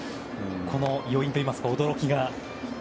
この余韻といいますか、驚きが。